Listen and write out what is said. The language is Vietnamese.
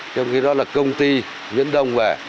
trong khi đó là công ty miễn đông về